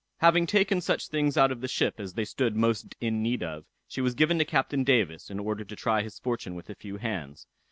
_] Having taken such things out of the ship as they stood most in need of, she was given to Captain Davis in order to try his fortune with a few hands.